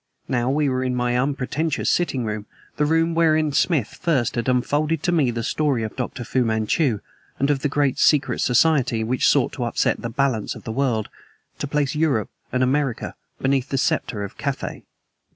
Now we were in my unpretentious sitting room the room wherein Smith first had unfolded to me the story of Dr. Fu Manchu and of the great secret society which sought to upset the balance of the world to place Europe and America beneath the scepter of Cathay.